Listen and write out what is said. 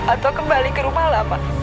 atau kembali ke rumah lama